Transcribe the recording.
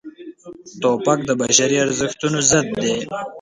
توپک د بشري ارزښتونو ضد دی.